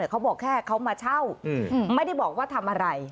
เขาบอกแค่เขามาเช่าไม่ได้บอกว่าทำอะไร